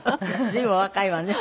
随分お若いわね。